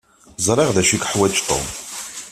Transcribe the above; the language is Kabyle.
Ẓriɣ d acu i yeḥwaǧ Tom.